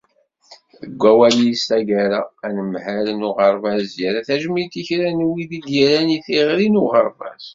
Deg wawal-is taggara, anemhal n uɣerbaz yerra tajmilt i kra n win i d-yerran i teɣri n uɣerbaz.